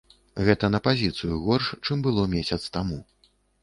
Гэта на пазіцыю горш, чым было месяц таму.